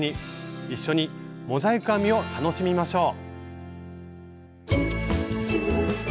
一緒にモザイク編みを楽しみましょう！